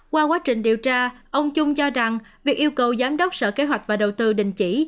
qua quá trình điều tra ông chung cho rằng việc yêu cầu giám đốc sở kế hoạch và đầu tư đình chỉ